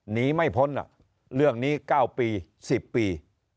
หนีไม่พ้นเรื่องนี้๙ปี๑๐ปี